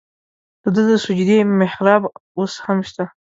د ده د سجدې محراب اوس هم شته.